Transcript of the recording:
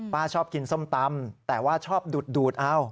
ชอบกินส้มตำแต่ว่าชอบดูดเอา